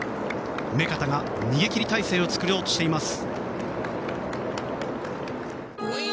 目片が逃げ切り態勢を作ろうとしています。